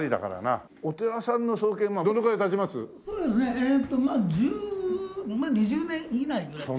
えっとまあ１０２０年以内ぐらい。